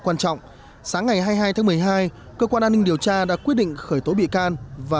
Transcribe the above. quan trọng sáng ngày hai mươi hai tháng một mươi hai cơ quan an ninh điều tra đã quyết định khởi tố bị can và